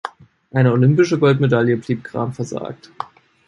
Eine olympische Goldmedaille blieb Cram versagt.